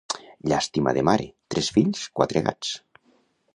Llàstima de mare! tres fills, quatre gats!